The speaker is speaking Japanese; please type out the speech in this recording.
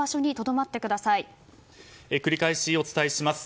繰り返しお伝えします。